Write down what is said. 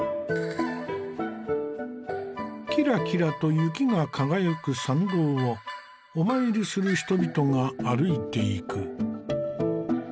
キラキラと雪が輝く参道をお参りする人々が歩いていく。